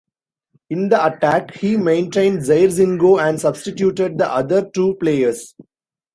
In the attack, he maintained Jairzinho and substituted the other two players.